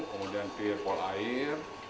kemudian tir polair